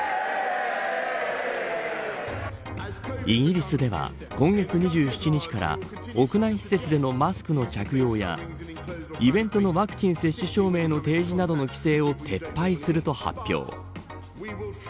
イギリスでは今月２７日から屋内施設でのマスクの着用やイベントのワクチン接種証明の提示などの規制を撤廃すると発表。